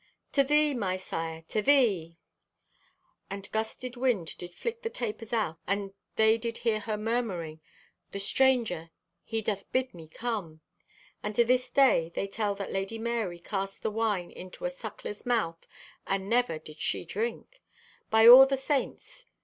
"To thee, my sire, to thee!" And gusted wind did flick the tapers out and they did hear her murmuring "The Stranger! He doth bid me come!" And to this day they tell that Lady Marye cast the wine into a suckler's mouth and never did she drink! "By all the saints!